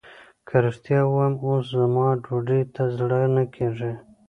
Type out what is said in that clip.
که رښتيا ووايم اوس زما ډوډۍ ته زړه نه کېږي.